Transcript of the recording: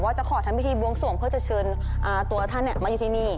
จะขอทำพิธีบวงสวงเพื่อจะเชิญตัวท่านมาอยู่ที่นี่